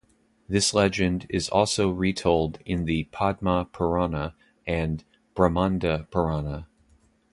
This legend is also retold in the Padma Purana and "Brahmanda Purana".